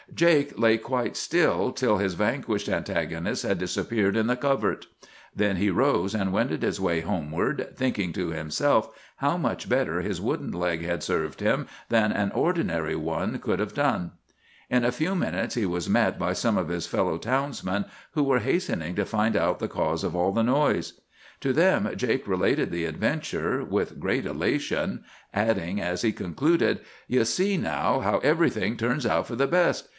"Jake lay quite still till his vanquished antagonist had disappeared in the covert. Then he rose and wended his way homeward, thinking to himself how much better his wooden leg had served him than an ordinary one could have done. In a few minutes he was met by some of his fellow townsmen, who were hastening to find out the cause of all the noise. To them Jake related the adventure with great elation, adding, as he concluded, 'You see, now, how everything turns out for the best.